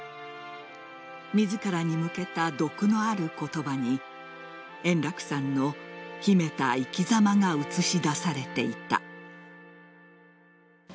自らに向けた毒のある言葉に円楽さんの秘めた生き様が映し出されていた。